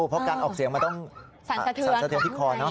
เพราะการออกเสียงมันต้องสั่นสะเทือนที่คอเนอ